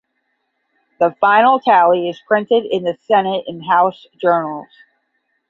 The final tally is printed in the Senate and House journals.